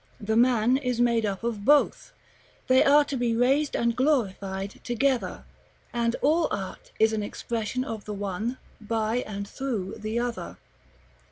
The man is made up of both: they are to be raised and glorified together, and all art is an expression of the one, by and through the other.